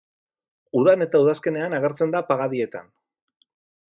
Udan eta udazkenean agertzen da pagadietan.